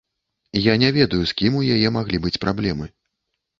Я не ведаю, з кім у яе маглі быць праблемы.